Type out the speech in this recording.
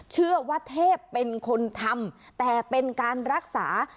เชื่อว่าเทพเป็นคนทำแต่เป็นการรักษา